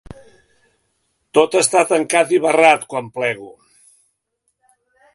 Tot està tancat i barrat, quan plego.